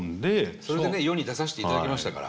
それでね世に出さしていただきましたから。